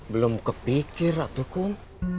belum kepikir tuh kum